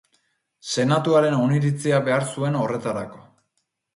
Senatuaren oniritzia behar zuen horretarako.